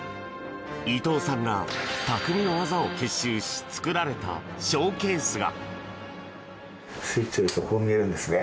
伊藤さんら、たくみの技を結集し作られたショーケースが。